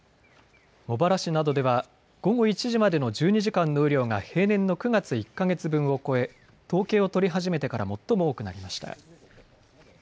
茂原市などでは午後１時までの１２時間の雨量が平年の９月１か月分を超え統計を取り始めてから最も多くなりました。